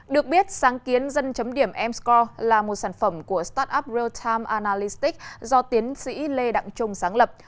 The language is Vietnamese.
được biết sáng kiến dân chấm điểm m score là một sản phẩm của startup real time analystics do tiến sĩ lê đặng trung sáng lập